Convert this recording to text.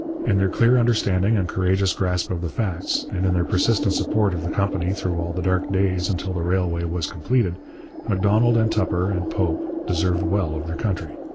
In their clear understanding and courageous grasp of the facts, and in their persistent support of the company through all the dark days until the railway was completed, Macdonald and Tupper and Pope deserved well of their country.